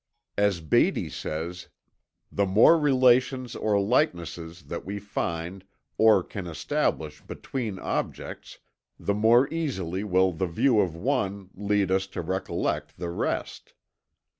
As Beattie says: "The more relations or likenesses that we find or can establish between objects, the more easily will the view of one lead us to recollect the rest."